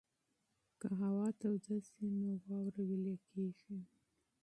که هوا توده شي نو واوره ویلې کېږي.